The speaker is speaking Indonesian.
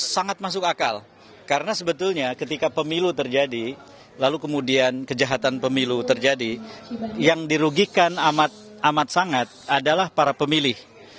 sangat masuk akal karena sebetulnya ketika pemilu terjadi lalu kemudian kejahatan pemilu terjadi yang dirugikan amat sangat adalah para pemilih